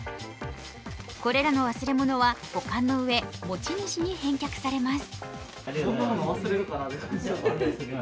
これらの忘れ物は保管のうえ持ち主に返却されます。